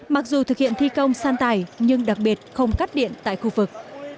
mặc dù thực hiện thi công san tài nhưng đặc biệt không cắt điện tại khu vực